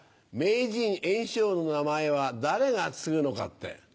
名人圓生の名前は誰が継ぐのかって。